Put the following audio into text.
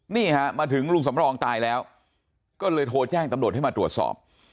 นี่ฮะมาถึงลุงสำรองตายแล้วก็เลยโทรแจ้งตำรวจให้มาตรวจสอบ